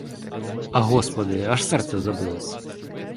А господи, аж серце забилось!